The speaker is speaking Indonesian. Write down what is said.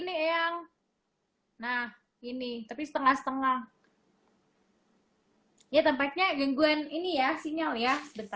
nih yang nah ini tapi setengah setengah ya tempatnya gengguan ini ya sinyal ya sebentar ya